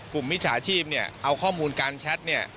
กลุ่มมิจฉาชีพเอาข้อมูลการแชท